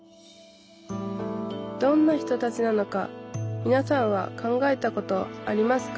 どんな人たちなのかみなさんは考えたことありますか？